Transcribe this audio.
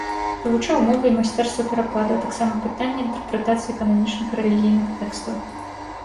Вывучаў мовы і майстэрства перакладу, а таксама пытанні інтэрпрэтацыі кананічных рэлігійных тэкстаў.